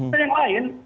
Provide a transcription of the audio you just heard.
dan yang lain